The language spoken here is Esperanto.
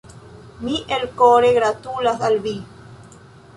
Mi elkore gratulas al vi!